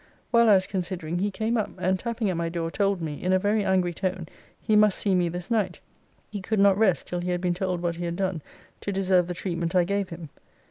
While I was considering, he came up, and, tapping at my door, told me, in a very angry tone, he must see me this night. He could not rest, till he had been told what he had done to deserve the treatment I gave him.